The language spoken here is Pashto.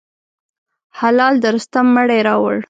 هلال د رستم مړی راووړ.